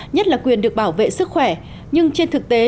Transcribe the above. nhất là quyền được bảo vệ sức khỏe nhưng trên thực tế